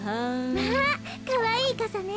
まあかわいいかさね。